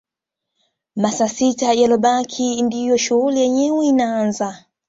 Masaa sita yanayobaki ndio shughuli yenyewe inaaza